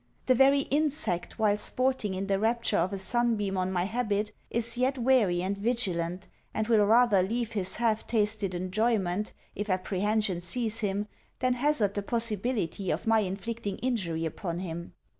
The very insect, while sporting in the rapture of a sun beam on my habit, is yet wary and vigilant, and will rather leave his half tasted enjoyment, if apprehension seize him, than hazard the possibility of my inflicting injury upon him.